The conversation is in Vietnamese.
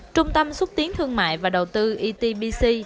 trung tâm xúc tiến thương mại và đầu tư etbc